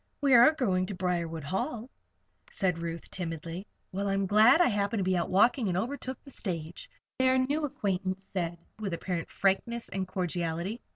"We are going to Briarwood Hall," said Ruth, timidly. "Well, I'm glad I happened to be out walking and overtook the stage," their new acquaintance said, with apparent frankness and cordiality.